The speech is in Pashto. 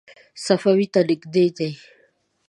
صفوي ته نږدې دی.